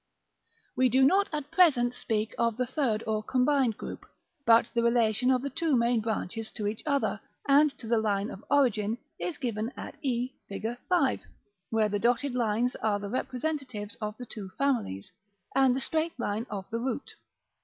We do not at present speak of the third or combined group; but the relation of the two main branches to each other, and to the line of origin, is given at e, Fig. V.; where the dotted lines are the representatives of the two families, and the straight line of the root.